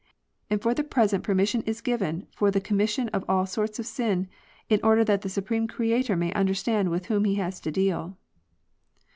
And for the present permission is given for the commission of all sorts of sin, in order that the Supreme Creator may understand with whom he has to deal.